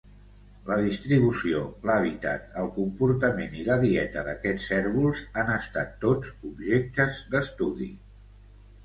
La distribució, l'hàbitat, el comportament i la dieta d'aquest cérvol han estat tots objectes d'estudi.